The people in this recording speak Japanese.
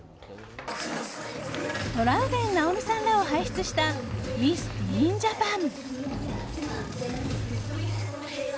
トラウデン直美さんらを輩出したミス・ティーン・ジャパン。